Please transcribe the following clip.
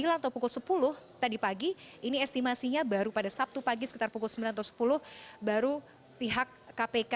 atau pukul sepuluh tadi pagi ini estimasinya baru pada sabtu pagi sekitar pukul sembilan atau sepuluh baru pihak kpk